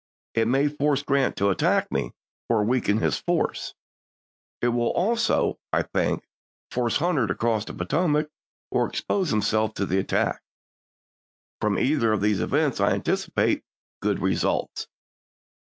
It may force Grant to attack me, or weaken his force. It will also, I think, force Hunter to cross the Potomac, or expose himself to attack. From either of these events I anticipate good results."